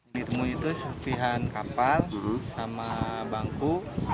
ditemui itu sepihan kapal sama bangku